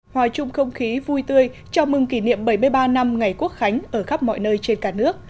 hòa chung không khí vui tươi chào mừng kỷ niệm bảy mươi ba năm ngày quốc khánh ở khắp mọi nơi trên cả nước